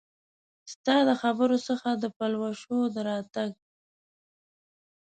ستا د خبرو څخه د پلوشو د راتګ